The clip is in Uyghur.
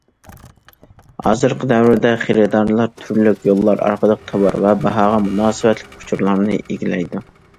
ھازىرقى دەۋردە، خېرىدارلار تۈرلۈك يوللار ئارقىلىق تاۋار ۋە باھاغا مۇناسىۋەتلىك ئۇچۇرلارنى ئىگىلەيدۇ.